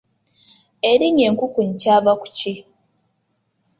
Erinnya enkukunyi kyava ku ki?